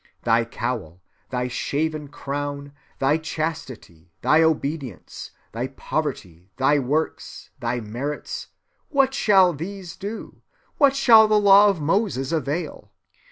Thy cowl, thy shaven crown, thy chastity, thy obedience, thy poverty, thy works, thy merits? what shall all these do? what shall the law of Moses avail?